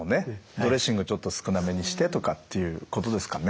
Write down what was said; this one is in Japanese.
ドレッシングちょっと少なめにしてとかっていうことですかね。